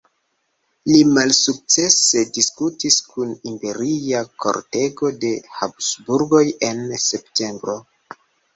Li malsukcese diskutis kun Imperia Kortego de Habsburgoj en septembro.